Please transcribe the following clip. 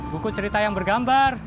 buku cerita yang bergambar